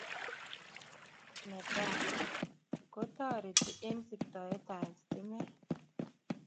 Netai, kotoriti eng siktoet ab stimet